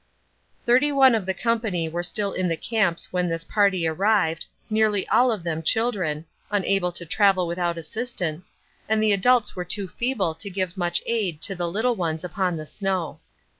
Thirty one of the company were still in the camps when this party arrived, nearly all of them children, unable to travel without assistance, and the adults were too feeble to give much aid to the little ones upon the snow.